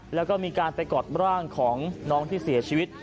แล้วก็มีการไปกอดร่างของน้องที่เสียชีวิต